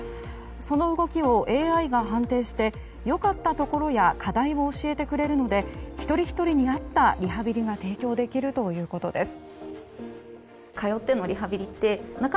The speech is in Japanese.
その動きをＡＩが判定して良かったところや課題を教えてくれるので一人ひとりに合ったリハビリが提供できるということです。